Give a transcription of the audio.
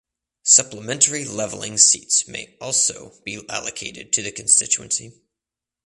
Supplementary leveling seats may also be allocated to the constituency.